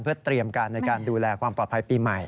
เพื่อเตรียมการในการดูแลความปลอดภัยปีใหม่